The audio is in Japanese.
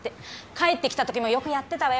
帰ってきた時もよくやってたわよ。